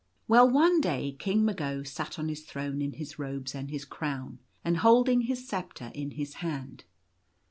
Well, one day King Mago sat on his throne in his robes and his crown, and holding his sceptre in his hand.